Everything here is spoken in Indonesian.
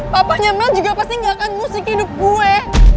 papanya mel juga pasti gak akan musik hidup gue